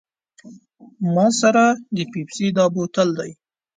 ما سره د پیپسي دا بوتل دی.